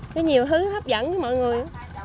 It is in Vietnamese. có nhiều thứ hấp dẫn cho mọi người